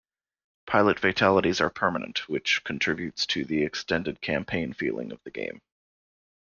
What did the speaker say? Pilot fatalities are permanent, which contributes to the extended campaign feeling of the game.